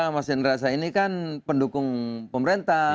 mas indra aksa ini kan pendukung pemerintah